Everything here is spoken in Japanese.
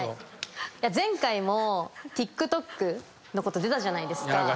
前回もＴｉｋＴｏｋのこと出たじゃないですか。